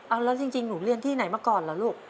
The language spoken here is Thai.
เอาแล้วจริงหนูเรียนที่ไหนมาก่อนเหรอลูก